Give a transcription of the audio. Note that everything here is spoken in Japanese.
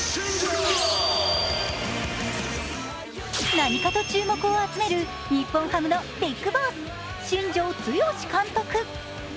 何かと注目を集める日本ハムのビッグボス、新庄剛監督。